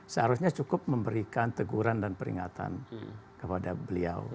seharusnya cukup memberikan teguran dan peringatan kepada beliau